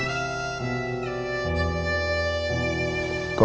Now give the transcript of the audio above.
และก็